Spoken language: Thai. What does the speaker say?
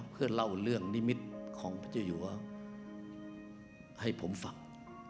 เพื่อเล่าเรื่องนิมิตของพระเจ้าอยู่ให้ผมฟัง